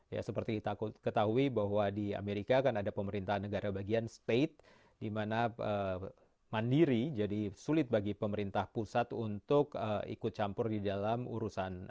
ya seperti kita ketahui bahwa di amerika kan ada pemerintahan negara bagian state di mana mandiri jadi sulit bagi pemerintah pusat untuk ikut campur di dalam urusan